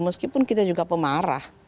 meskipun kita juga pemarah